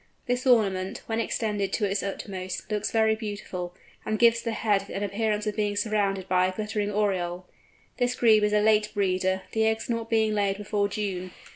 This ornament, when extended to its utmost, looks very beautiful, and gives the head an appearance of being surrounded by a glittering aureole. This Grebe is a late breeder, the eggs not being laid before June.